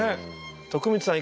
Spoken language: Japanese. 徳光さん